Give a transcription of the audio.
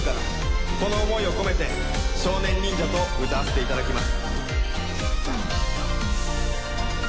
この思いを込めて少年忍者と歌わせて頂きます。